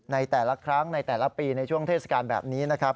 ในแต่ละครั้งในแต่ละปีในช่วงเทศกาลแบบนี้นะครับ